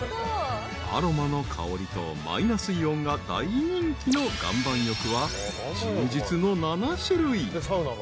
［アロマの香りとマイナスイオンが大人気の岩盤浴は充実の７種類］